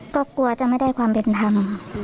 ก็กลัวจะไม่ได้ความเป็นธรรม